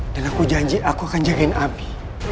dan aku janji aku akan jagain abi